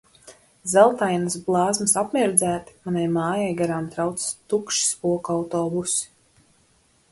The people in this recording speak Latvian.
Zeltainas blāzmas apmirdzēti, manai mājai garām traucas tukši spoku autobusi.